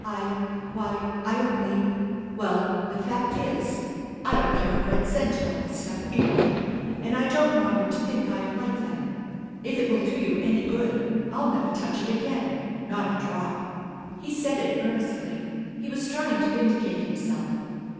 I why, I only well, the fact is, I don't care a red cent about the stuff anyway; and I don't want you to think I'm like them. If it will do you any good, I'll never touch it again, not a drop." He said it earnestly. He was trying to vindicate himself.